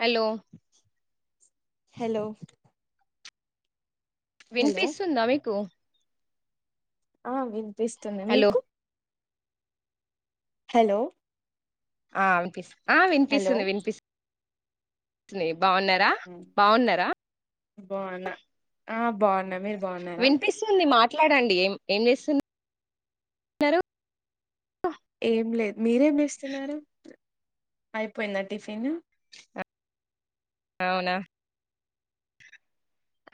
Hello hello hello వినిపిస్తుందా మీకు ఆ వినిపిస్తుంది హలో మీకు హలో ఆ హలో వినిపిస్తుంది వినిపిస్తు బాగున్నారా బాగున్నారా బాగున్నా ఆ బాగున్న మీరు బాగున్నారా వినిపిస్తుంది మాట్ మాట్లాడండి ఏం ఏం చేస్తాన్నారు ఏం లేదు మీరేం చేస్తున్నారు అయిపోయిందా టిఫిన్ అవునా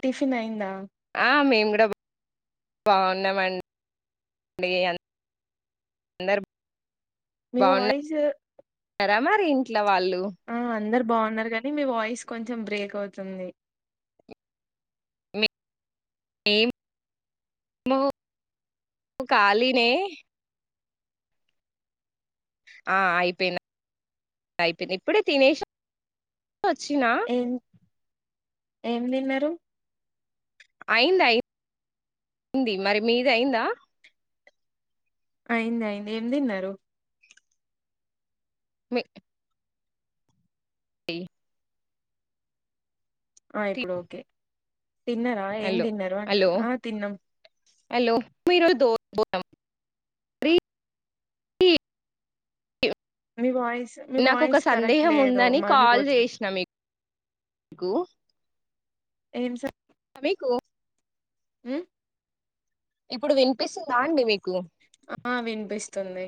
టిఫిన్ అయ్యిందా ఆ మేము బాగున్నామండి అగ [unintelligible] అందర్ మీ వాయిసు మరి ఇంట్లో వాళ్ళు అందరు బావున్నారు కానీ మీ వాయిస్ కొంచెం బ్రేక్ అవుతుంది ఏం లు ఖాళీనే ఆ అయిపోయింది అయిపోయింది ఇప్పుడే తినేసా వచ్చిన ఏమ్ తిన్నారు అయిందా యి అయింది మరి మీది అయిందా అయింది అయింది ఏం తిన్నారు మే ఏ ఆ ఇప్పుడు ఓకే తిన్నారా ఏం తిన్నారు హలోహలో అంటున్నా ఆ తిన్నాం హలో మీరు మీరు [unintelligible] రీ మీ వాయిస్ మీ నాకొక వాయిస్ కరెక్ట్ సందేహం లేదు ఉందని మళ్ళీ కాల్ పోతుంది చేసిన మీకు గూ ఏం సా మీకు మ్మ్ ఇప్పుడు వినిపిస్తుందా అండి మీకు ఆ వినిపిస్తుంది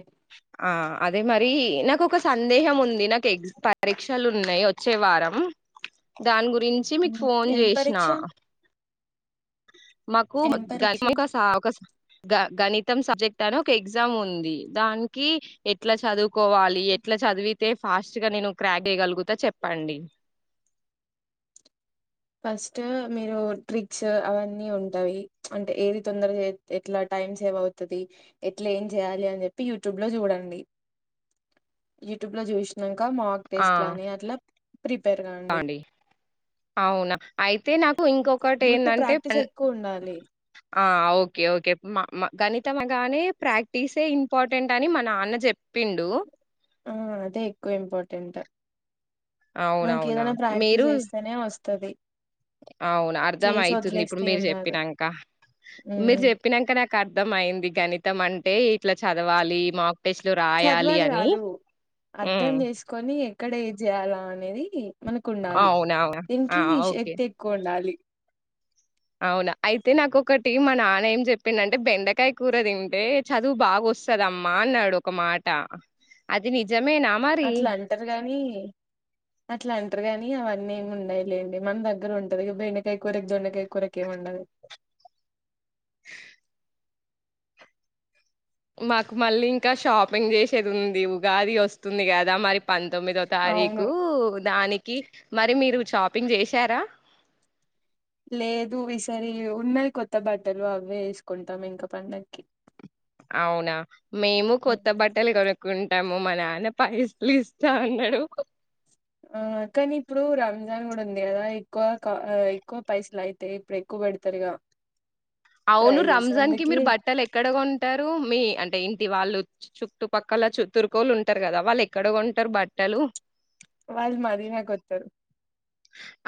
నాకు ఒక సందేహం ఉంది నాకు ఎగ్జ్ పరీక్షలు ఉన్నాయి వచ్చే వారం దాని గురించి మీకు ఉమ్ ఫోన్ ఏం చేసినా పరీక్ష మాకు ఒక ఏం గ పరీక్ష [unintelligible] గణిత సబ్జెక్ట్ అని ఒక ఎగ్జామ్ ఉంది దానికి ఎట్లా చదువుకోవాలి ఎట్లా చదివి అయితే ఫాస్ట్ గా నేను క్రాక్ చేయగలుగుత చెప్పండి ఫస్ట్ మీరు ట్రిక్స్ అవన్నీ ఉంటాయి అంటే ఏది తొందర ఎట్ల టైం సేవ్ అవుతుంది ఎట్లా ఏం చేయాలి అని చెప్పి యూట్యూబ్ లో చూడండి అ యట్యూబ్ లో జూసిన [unintelligible] మాక్ ఆ టేస్ట్ ని అట్లా ప్రిపేర్ కాండి అండి అవునా అయితే నాకు ఇంకొకటి మీకు ఏంటంటే ప్రాక్టీస్ ఎక్కువ ఉండాలి గణితం [unintelligible] ప్రాక్టీసే ఇంపార్టెంట్ అని మ నాన్న చెప్పిండు ఆ అదే ఎక్కువ ఇంపార్టెంట్ మనకి అవునవునా! ఏదన మీరు ప్రాక్టీస్ చేస్తేనే వస్తది అవును అర్ధం చేసి అయితుంది ఇప్పుడు వదిలేస్తే మీరు ఏం రాదు చెప్పినంక మీరు ఉమ్ చెప్పినంక నాకు అర్థం అయింది గణితం అంటే ఇట్లా చదవాలి మా చదవాలి కాదు అర్ధం హ్మ్. చేసుకొని ఎక్కడ ఏ చేయాల అనేది మనకు ఉండాలి అవునవును. ఆ! దినికి ఓకే. శక్తి ఎక్కువ ఉండాలి అవునా అయితే నాకొకటి మా నాన్న ఏం చెప్పిండు అంటే బెండకాయ కూర తింటే చదువు బాగ వస్తదమ్మా అన్నాడు ఒక మాట అది ని అట్ల అంటారు గాని అట్ల అంటరు గా అవన్నీ ఏమి ఉండయిలేండి మన దగ్గర ఉంటది బెండకాయ కూరకు దొండకాయ కూరక ఏమి ఉండదు మాకు మళ్ళీ ఇంక షాపింగ్ చేసేది ఉంది ఉగాది వస్తుంది కదా మ పంతొమ్మిదో అవును తారీకు దానికి మరి మీరు షాపింగ్ చేశార లేదు ఈ సరి ఉన్నాయి కొత్త బట్టలు అవే వేసుకుంటాం ఇంక పండక్కి అవునా మేము కొత్త బట్టలు కొను కుంటాము మా నాన్న పైసలు ఇస్తా అన్నాడు ఆ కానీ ఇప్పుడు రంజాన్ కూడ ఉంది కదా ఎక్కువ ఎక్కువ పైసలు అయితాయి ఇప్పుడు ఎకు పెడుతరిగా అవును రంజాన్ కి మీరు బట్టలు ఎక్కడ కొంటారు మీ అంటే ఇ ఇది వాళ్ళు చుట్టుపక్కల చు తరుకోళ్ళు ఉంటారు కదా వాళ్ళు ఎక్కడ కొంటారు బట్టలు [unintelligible]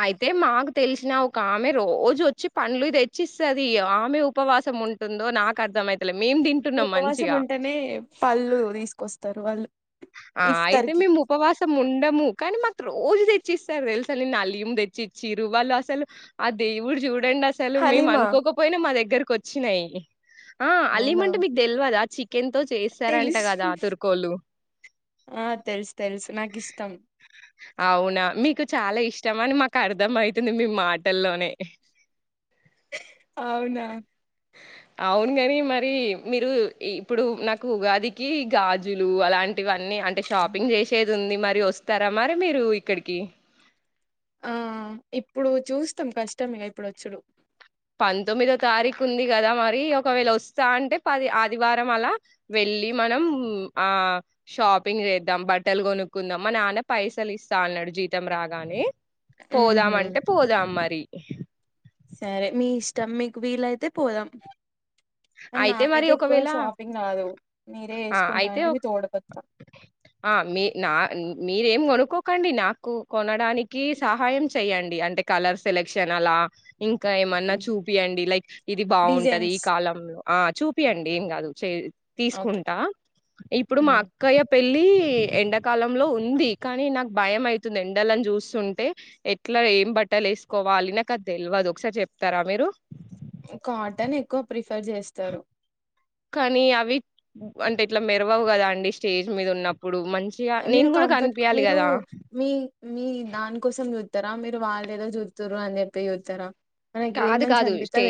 అయితే మాకు తెలిసిన ఒక ఆమె రోజు వచ్చి పండ్లు తెచ్చిస్తది ఆమె ఉపవాసం ఉ ఉంటుందో నాకు [unintelligible] తింటున్నాం ఉపవాసం మంచిగా ఉంటేనే పళ్ళు తీసుకొస్తారు వాళ్ళు ఆ ఇఫ్తార్ అయితే కి మేము ఉపవాసం ఉండము కానీ మాకు రోజు తెచ్చిస్తారు తెలుసా నిన్న అలిమ్ తెచ్చి ఇచ్చిర్రు వాళ్ళు అసలు ఆ దేవుడు చూ [unintelligible] అసలు మేము హలీమా అనుకోకపోయినా మా దగ్గరకొచ్చినాయి ఆ అవునా అలీమంటే మీకు తెల్వద చికెన్ తో చేస్తారంట తెలుసు కదా ఆ తుర్కోల్లు ఆ తెలుసు తెలుసు నాకిష్టం అవునా! మీకు చాల ఇష్టమని మాకు అర్ధం అయితుంది మీ మాటల్లోనే అవునా అవును గని మరి మీరు ఇప్పుడు నాకు ఉగదికి గాజులు అలాంటివ ని అంటే షాపింగ్ చేసేది ఉంది మరి వస్తార మరి మీరు ఇక్కడికి ఆ ఇప్పుడు చూస్తాం కష్టం ఇగ ఇప్పుడు వచ్చుడు పంతొమ్మిదో తారీఖు ఉంది కదా మరి ఒకవేళ వొస్తా అంటే పది ఆదివారం అలా వెళ్ మనం ఆ షాపింగ్ చేద్దాం బట్టలు కొనుక్కుందాం మా నాన్న పైసలిస్త అన్నడు జీతం రాగానే పోదామ్ ఉహు అంటే పోదాం మరి సరే మీ ఇష్టం మీక్ వీలయితే పోదాం [unintelligible] ఆ మరి నాకైతే ఎక్కువ ఒకవేళ షాపింగ్ రాదు మీరే ఆ చేసుకుంటా అయితే అంటే మీ తోడుకొత్తా ఆ మీ నా ఉ మీరేం కొనుక్కోకండి నాకు కొనడానికి సహాయం చెయ్యండి అంటే కలర్ సెలెక్షన్ అలా ఇంకా ఏమన్నా చూపియండి లైక్ ఇది బాగుంటది ఈ డిజైన్స్ కాలంలో ఆ చూపియండి ఏం గాదు చే ఓకే తీసుకుంటా ఇప్పుడు మా ఉమ్. అక్కయ్య పెళ్ళి ఎండాకాలంలో ఉంది కానీ నాకు భయం అయితుంది ఎండలన్ చూస్తుంటే ఎట్లా ఏం బట్టల్ వేసుకోవాలి నాకు అది తెల్వదు ఒకసారి చెప్తారా మీరు కాటన్ ఎక్కువ ప్రిఫర్ చేస్తరు కానీ అవి అంటే ఇట్లా మెరవవు గదా అండి స్టేజ్ మీద ఉన్నప్ మీరు కంఫర్ట్ మీరు మీ మీ దాన్ కోసం చూత్ స్తారా మీరు వాళ్ళేదో చూత్తుర్రు అని చెప్పి చూత్తారా కాదు కాదు స్టే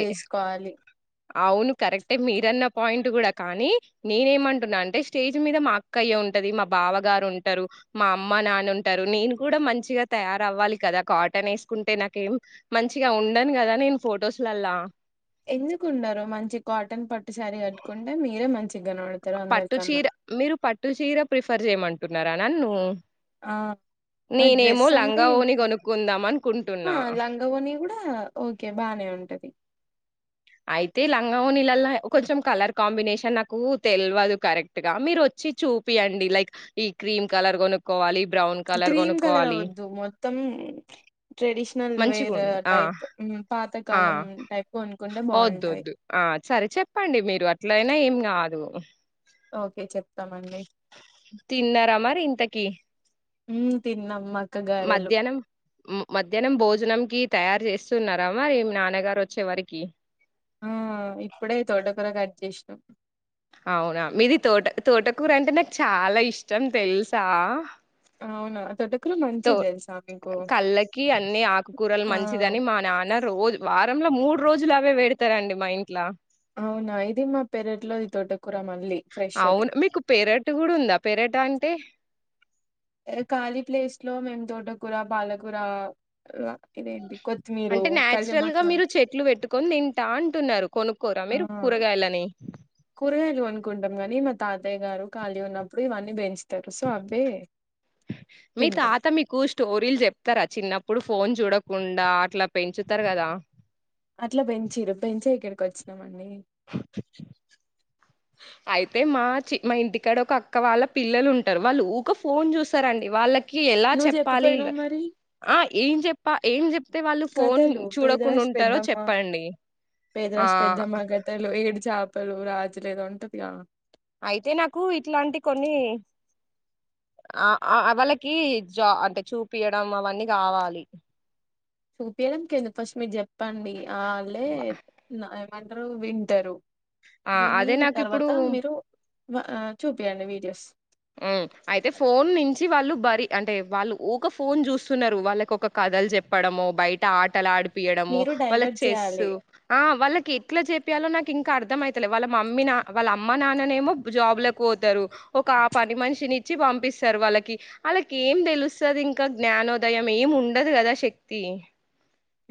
అవును కరక్టే మీరు అన్న పాయింట్ కూడా కానీ నేనేమంటున్నా అంటే స్టేజ్ మీద మా అక్కయ్య ఉంటది మా బావ గారు ఉంటరు మా అమ్మ నాన్న ఉంటరు నేను కూడా మంచిగా తయారవ్వాలి కదా కాటన్ వేసుకుంటే నాకేం మంచిగా ఉండన్ గదా నేన్ ఫొటోస్ లాల్ల ఎందుకుండరు మంచి కాటన్ పట్టు శారీ కట్టుకుంటే మీరే మంచిగ కనపడతారు పట్టు అందరికన్నా చీర మీరు పట్టు చీర ప్రిఫర్ చేయమంటున్నారా నన్ను ఆ మరి నేనేమో డ్రెస్ అంటే లంగా ఓని కొనుక్కుందామ ఆ లంగవొని కూడా ఓకే బానే ఉంటది అయితే లంగావొనీలళ్ల కొంచెం కలర్ కాంబినేషన్ నాకు తెల్వదు కరెక్ట్ గా మీరు వచ్ వచ్చి చూపియండి లైక్ ఈ క్రీమ్ కలర్ కొనుక్కోవాలి బ్రౌన్ కలర్ క్రీమ్ కలర్ కొనుక్కోవాలి వద్దు మొత్తం ట్రెడిషనల్ వేర్ మంచిగుండు ఆ టైప్ పాతకాలం టైప్ కొనుక్కుం వద్దొ వద్దు ఆ సరే చెప్పండి మీరు అట్లయినా ఏం కాదు ఓకే చెప్ తిన్నార మరి ఇంతకి ఉ తిన్నాం మాక్ మధ్యాహ్నం మధ్యాహ్నం భోజనం కి తయార్ చేస్తున్నారా మరి నాన్నగారు వచ్చే వారికి చేసిన అవునా మీది తోట తోటకూరంటే నాక్ చాలా ఇష్టం తెలుసా అవునా తోటక్ తో కళ్ళకి అన్ని ఆకుకూరలు ఆ మంచిదని మా నాన్న రోజు వాత్ వారంల మూడు రోజులు అవే పెడతారండి మా ఇంట్ల అవునా ఇది మా పెరట్లోది తొటకూర మళ్ళీ ఫ్రెష్ ది ఎటంటే ఇట్లో మేం తోటకూర పాలకూర ర ఇదేంటి కొత్తిమీరు కళ్యామాట్ల కొ తింటా అంటున్నారు కొనుక్కోర ఆ మీరు కూరగాయలని కూరగాయలు కొనుక్కుంటాం గాని మా తాతయ్య గారు ఖాళీ ఉన్నప్పుడు ఇవన్నీ పెంచ్ మీ తింటాం తాత మీకు స్టోరీలు చెప్తారా చిన్నప్ ఇప్పుడు ఫోన్ చూడకుండా అట్లా పెంచుతారు కదా అట్లా పెంచిర్రు పెంచే ఇక్కడికి వచ్చినాం [inaudible] అయితే మా చి మా ఇంటికాడ ఒక అక్క వాళ్ళ పిల్లలు ఉంటారు వాళ్ళు ఊకె ఫోన్ చూస్తారండి వాళ్ళ కి ఎలా నువ్వు చెప్పాలి ల చెప్పపోయినావు మరి ఆ ఏం చెప్ప ఏం చెప్తే వాళ్ళు ఫోన్ కథలు పేదరాశి చూడకుండుంటారో పెద్దమ్మ చెప్పండి ఆ పేదరాశి పెద్దమ్మ కథలు ఏడు చాపలు రాజు ఏదో ఉంటదిగా అయితే నాకు ఇట్లాంటి కొన్ని ఆ ఆ వాళ్ళకి జా అంటే చూపియడం అవన్నీ కావాలి సుపిలంకందు ఫస్ట్ మీరు చెప్పండి ఆళ్ళే నా అందరు వింటారు ఆ విని అదే నాకు ఇప్పుడు తర్వాత మీరు వ ఆ చూపండి వీడియోస్ ఆ అయితే ఫోన్ నుంచి వాళ్ళు బరి అంటే వాళ్ళు ఊక ఫోన్ చూస్తున్నారు వాళ్ళకి ఒక క థల్ చెప్పడమో బయట ఆటలు ఆడిపియడమో మీరు వాళ్ళ డైవర్ట్ చెస్ చేయాలి ఆ వాళ్ళ కి ఎట్లా చెప్పియాలో నాకింకా అర్థం అయితలే వాళ్ళ మమ్మీ నా వాళ్ళ అమ్మ నాన్ననేమో జాబ్ లక్ పోతారు ఒక పని మనిషిని ఇచ్చి పంపిస్తారు వాళ్ళకి ఆళ్ళకి ఏం తెలుస్తుంది ఇంకా జ్ఞానోదయం ఏం ఉండద దు కదాశక్తి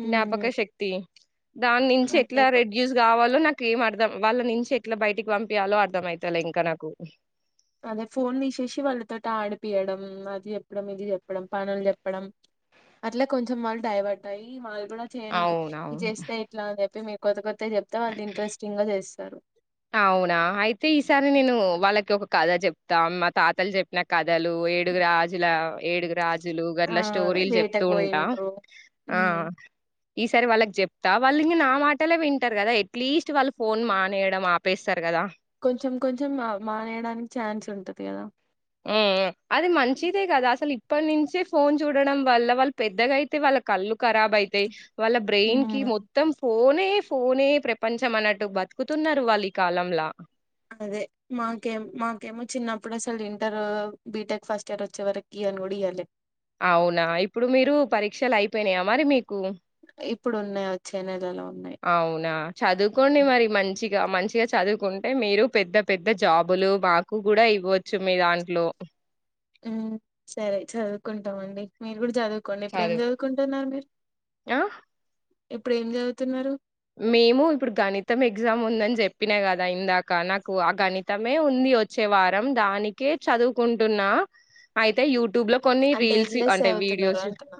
జ్ఞాపక శక్తి దా నించి ఎట్లా అదేను రెడ్యూస్ కావాలో నాకేం అర్ దం వాళ్ళ నుంచి ఎట్లా బయటికి పంపియాలో అర్థం అయితలే ఇంకా నాకు అదే ఫోన్ తీసేసి వాళ్ళతోటి ఆడిపియడం అది చెప్పడం ఇది చెప్పడం పనులు చెప్పడం అట్లే కొంచెం వాళ్ళు డైవర్ట్ అయ్యి వాల్ కూడా చేయనికి అవునవును. ఇది చేస్తే ఇట్లా అని చెప్పి మీ కొత్త కొత్త చెప్తే వాళ్ళు ఇంట్రెస్టింగ్ గా చేస్తారు అవునా అయితే ఈసారి నేను వాళ్ళకి ఒక కథ చెప్తాం మా తాతల్ చెప్పిన కథలు ఏడుగు రాజుల ఏడుగు రాజులు ఆ గట్ల స్టోరీల్ చెప్తూ వేటకు ఉంటా పోయింట్రు ఆ ఉమ్ ఈసారి వాళ్ళకి చెప్తా వాళ్ళు ఇంక నా మాటలే వింటారు కదా ఎట్లీస్ట్ వాళ్ళు ఫోన్ మానేయడం ఆ పేస్తారు కదా కొంచెం కొంచెం మా మానేయడానికి ఛాన్స్ ఉంటది కదా హ్మ్ హ్మ అది మంచిదే కదా అసల ఇ ప్పట్నించే ఫోన్ చూడడం వల్ల వాళ్ళు పెద్దగా అయితే వాళ్ళ కళ్ళు కరాబ్ అయితాయి వాళ్ళ బ్రెయిన్ కి ఉమ్ మొత్తం ఫో నే ఫోనే ప్రపంచం అన్నట్టు బతుకుతున్నారు వాళ్ళు ఈ కాలంలా అదే మాకేం మాకేమో చిన్నప్పుడు అసలు ఇంటర్ బిటెక్ ఫస్ట్ ఇయర్ వచ్చే వరకి ఇయాన్ గుడా ఇయ్యలే అవునా ఇప్పుడు మీరు పరీక్షలు అయిపోయినాయా మరి మీ కు ఇప్పుడు ఉన్నాయి వచ్చే నెలలో ఉన్నాయి అవునా చదుకోండి మరి మంచి ఈగా మంచిగా చదువుకుంటే మీరు పెద్ద పెద్ద జాబులు మాకు కూడా ఇవ్వచ్చు మీ దాంట్లో హ్మ్ సరే చదువుకుంటామండి మిర్గుడ చదువుకోండి ఇప్పుడు ఏం చదువు చదువుకుంటున్నారు మీర్ ఆ ఇప్పుడు ఏం చదువుతున్నారు మేము ఇప్పుడు గణితం ఎగ్జామ్ ఉందని చెప్పినా కదా ఇందాక నాకు ఆ గణితమే ఉంద్ కి వచ్చే వారం దానికే చదువుకుంటున్న అయితే యూ ట్యూబ్ లో కొన్ని అంటే ఏ రీల్స్ క్లాస్ అంటే చదువుతున్నారు వీడియోస్ అంటున్నా?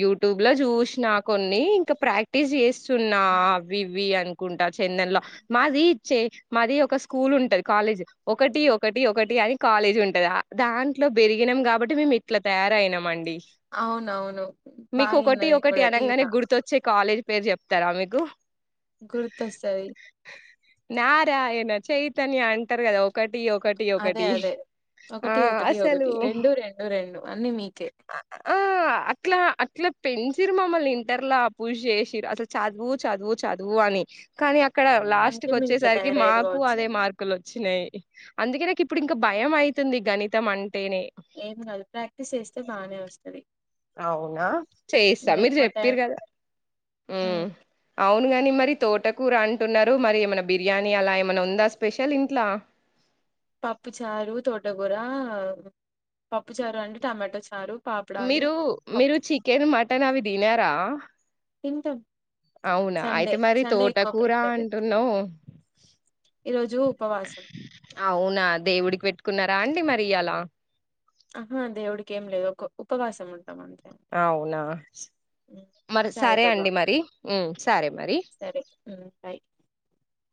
యూట్ ట్యూబ్ లో చూసిన కొన్ని ఇంకా ప్రాక్టీస్ సున్నా ఆవి ఇవి అన్ కుంట చెందన్ లో మాది ఇచ్చే మాది ఒక స్కూల్ ఉంటది కాలేజ్ ఒకటి ఒకటి ఒకటి కానీ కాలేజ్ ఉంటంది దాంట్లో పెరిగినం కాబట్టి మేము ఇట్లా తయారయినాం మండి అవునవును. బా మీకు ఇన్నా ఒకటి నేను ఒకటి గూడా టీవీల అనగానే గుర్తొచ్చే కాలేజ పేరు చెప్తారా మీకు గుర్తొస్తంది నారాయణ చైతన్య అంటారు కదా ఒకటి ఒకటి అదే ఒకటి అదే ఆ ఒకటి ఒకటి ఒకటి అసలు రెండు రెండు రెండు అన్ని మీకే ఆ అట్లా అట్లా పెంచిరు మమ్మల్ని ఇంటర్ల పుష్ చేసిరు అసలు చదువు చదువు చదువు అని కానీ అక్కడ అందుకే లాస్ట్కు మీరు ఇట్లా వచ్చేసరికి తయారయ్యారు మాకు కావచ్చు. అదే మార్కులు వచ్చినాయి అందుకే నాకు ఇప్పుడు ఇంకా భయం అవుతుంది గణితం అంటే ఏం కాదు ప్రాక్టీస్ చేస్తే బానే వస్తంది అవునా చేయిస్తా మీరు ఎక్కువ చెప్పిరు టైం కదా హ్మ్ అవును కాన్ మరి తోటకూర అంటున్నారు మరి ఏమైనా బిర్యానీ అలా ఏమైన్నా ఉందా స్పెషల్ ఇంట్లా పప్పు చారు తోటకూర పప్పు చారు అంటే టమాటా చారు పాపడాలు మీరు పప్ మీరు చికెన్ మటన్ అవి తినారా తింటం అవునా అయితే మరి తోటకూర ప్రిఫర్ అంటున్నావు ఈ రోజు ఉపవాసం అవునా దేవుడికి పెట్ కున్నారా అండి మరి ఇలా ఆహా దేవుడికి ఏం లేదు ఒక ఉపవాసం ఉంటుంది అవునా ఉమ్. మరి సరే సాయిబాబా అండి మరి సరే మరి సరే బాయ్